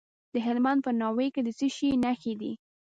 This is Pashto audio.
د هلمند په ناوې کې د څه شي نښې دي؟